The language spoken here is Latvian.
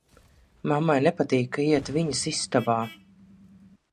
Mammai nepatīk, ka iet viņas istabā.